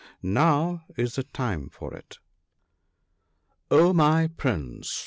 Now is the the time for it, —" Oh, my Prince